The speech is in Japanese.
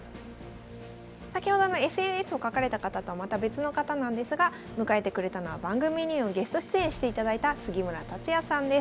先ほどのＳＮＳを書かれた方とはまた別の方なんですが迎えてくれたのは番組にもゲスト出演していただいた杉村達也さんです。